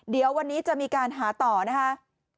เดี๋ยววันนี้จะมีการหาต่อนะคะ